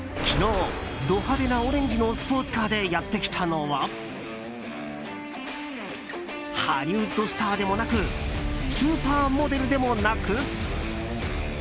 昨日、ド派手なオレンジのスポーツカーでやってきたのはハリウッドスターでもなくスーパーモデルでもなく。